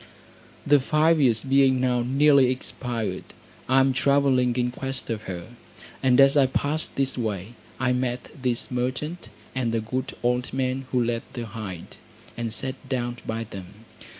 The five years being now nearly expired, I am travelling in quest of her; and as I passed this way, I met this merchant, and the good old man who led the hind, and sat down by them.